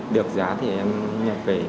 được giá thì em nhập về